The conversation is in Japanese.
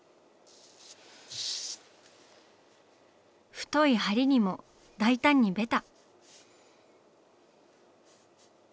太い梁にも大胆にベタ。